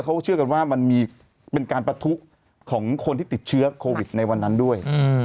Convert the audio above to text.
เขาเชื่อกันว่ามันมีเป็นการประทุกข์ของคนที่ติดเชื้อโควิดในวันนั้นด้วย